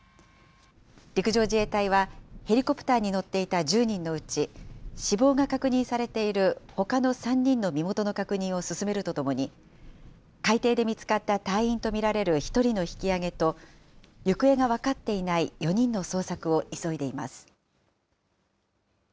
陸上自衛隊は、ヘリコプターに乗っていた１０人のうち、死亡が確認されているほかの３人の身元の確認を進めるとともに、海底で見つかった隊員と見られる１人の引きあげと、行方が分かっていない４人の捜索を急いでいます。